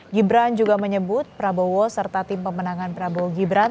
gibran juga menyebut prabowo serta tim pemenangan prabowo gibran